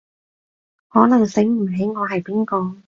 可能醒唔起我係邊個